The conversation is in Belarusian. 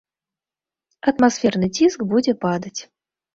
Атмасферны ціск будзе падаць.